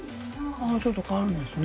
ちょっと変わるんですね。